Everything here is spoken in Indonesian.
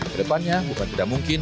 berdepannya bukan tidak mungkin